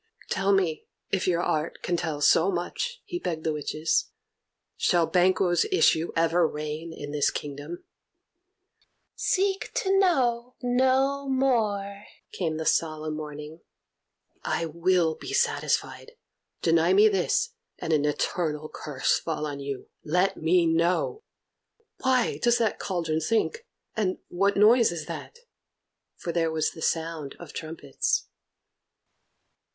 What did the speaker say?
"Tell me, if your art can tell so much," he begged the witches, "shall Banquo's issue ever reign in this kingdom?" "Seek to know no more," came the solemn warning. [Illustration: 'What is this that rises like the issue of a King?'] "I will be satisfied. Deny me this, and an eternal curse fall on you! Let me know! Why does that cauldron sink, and what noise is that?" For there was the sound of trumpets.